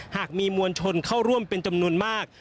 หากมีมวลชนเข้าร่วมเป็นจำนวนมาก